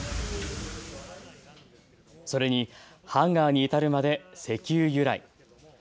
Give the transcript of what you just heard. それにハンガーに至るまで石油由来。